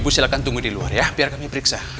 silahkan tunggu di luar ya biar kami periksa